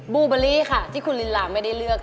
บูเบอรี่ค่ะที่คุณลินลาไม่ได้เลือก